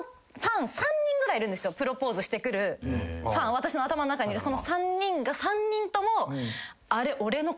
私の頭の中にいるその３人が３人とも。